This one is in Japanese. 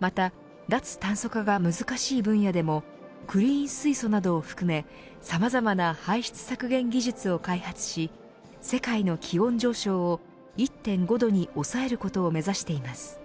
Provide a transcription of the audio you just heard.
また、脱炭素化が難しい分野でもクリーン水素などを含めさまざまな排出削減技術を開発し世界の気温上昇を１．５度に抑えることを目指しています。